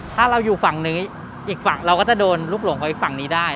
ถ้าเราอยู่ฝั่งนี้อีกฝั่งเราก็จะโดนลูกหลงของอีกฝั่งนี้ได้